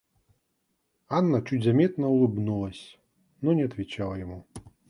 Анна чуть заметно улыбнулась, но не отвечала ему.